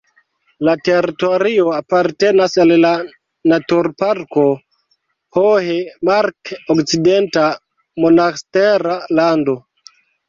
La teritorio apartenas al la naturparko Hohe Mark-Okcidenta Monastera Lando.